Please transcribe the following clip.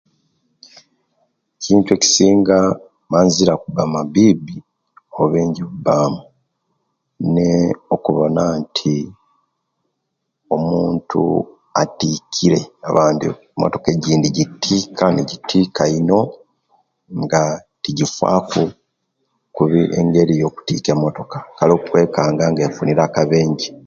Ekintu ekisinga manzira kuba mabbibbi obubenje okubamu ne okubona nti omuntu atikire; abandi emotoka ejjindi nijjitik, nejjikita ino nga tijjifaku kuba engeri yokutika motoka kale okwekanga nga efunire akabenje.